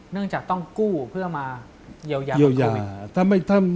เนื่องจากต้องกู้เพื่อมาเยียวยา